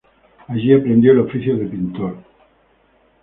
Allí aprendió el oficio de pintor.